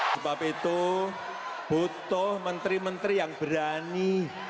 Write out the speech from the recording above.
sebab itu butuh menteri menteri yang berani